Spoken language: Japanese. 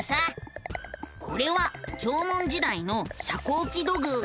これは縄文時代の遮光器土偶。